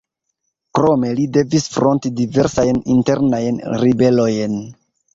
Krome li devis fronti diversajn internajn ribelojn.